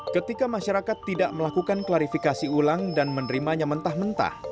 ketika masyarakat tidak melakukan klarifikasi ulang dan menerimanya mentah mentah